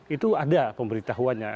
itu ada pemberitahuannya